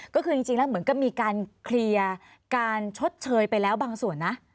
ก็คือจริงแล้วเหมือนกับมีการเคลียร์การชดเชยไปแล้วบางส่วนนะ